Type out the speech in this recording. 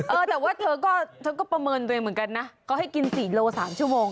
เออแต่ว่าเธอก็เธอก็ประเมินตัวเองเหมือนกันนะก็ให้กิน๔โล๓ชั่วโมง